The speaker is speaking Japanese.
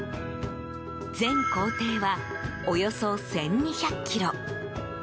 全行程はおよそ１２００ｋｍ。